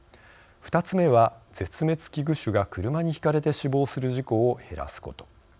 ２つ目は、絶滅危惧種が車にひかれて死亡する事故を減らすこと。